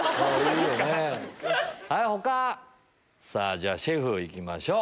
じゃあシェフ行きましょう。